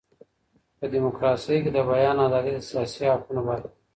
په ډيموکراسۍ کي د بيان ازادي د سياسي حقونو برخه ده.